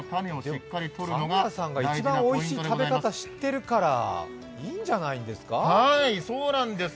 佐村さんが一番おいしい食べ方を知っているからいいんじゃないですか？